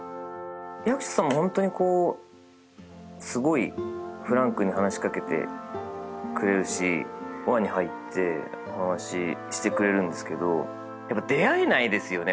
役所さんはホントにこうすごいフランクに話しかけてくれるし輪に入って話してくれるんですけどやっぱ出会えないですよね